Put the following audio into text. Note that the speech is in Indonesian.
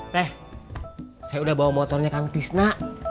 teh saya udah bawa motornya ke angkisna